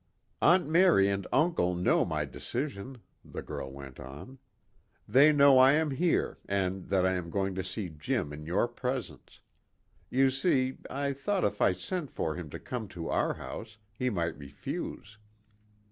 "Aunt Mary and uncle know my decision," the girl went on. "They know I am here, and that I am going to see Jim in your presence. You see, I thought if I sent for him to come to our house he might refuse.